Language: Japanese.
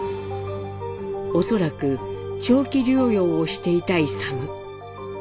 恐らく長期療養をしていた勇。